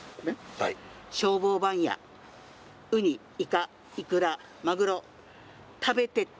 はい「庄坊番屋」「ウニイカイクラマグロ」「食べてって！」